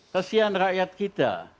kesian rakyat kita